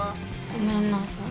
ごめんなさい。